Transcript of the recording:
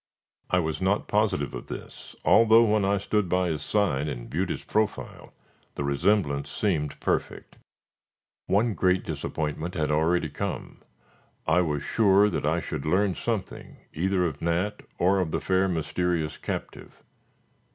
I was not positive of this, although, when I stood by his side and viewed his profile, the resemblance seemed perfect. One great disappointment had already come. I was sure that I should learn something either of Nat, or of the fair, mysterious captive.